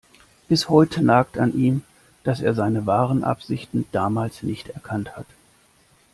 Bis heute nagt an ihm, dass er seine wahren Absichten damals nicht erkannt hat.